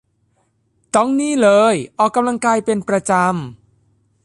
ต้องนี่เลยออกกำลังกายเป็นประจำ